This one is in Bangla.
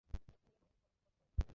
তিনি এ মাইলফলক স্পর্শ করেন।